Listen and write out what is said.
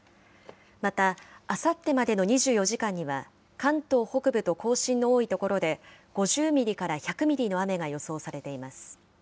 また、あさってまでの２４時間には、関東北部と甲信の多い所で５０ミリから１００ミリの雨が予想されています。